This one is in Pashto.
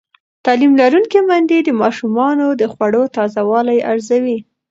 تعلیم لرونکې میندې د ماشومانو د خوړو تازه والی ارزوي.